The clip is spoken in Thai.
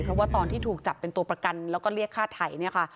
เพราะว่าตอนที่ถูกจับเป็นตัวประกันแล้วก็เรียกฆ่าไถ่เนี่ยค่ะ